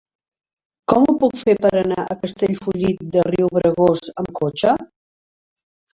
Com ho puc fer per anar a Castellfollit de Riubregós amb cotxe?